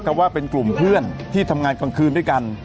ก็ว่าเป็นกลุ่มเพื่อนที่ทำงานกลางคืนด้วยกัน